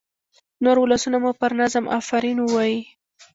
نور ولسونه مو پر نظم آفرین ووايي.